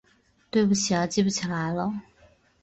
对不起啊记不起来了